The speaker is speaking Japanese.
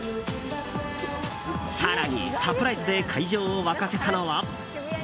更にサプライズで会場を沸かせたのは。